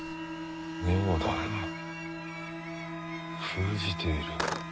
封じている。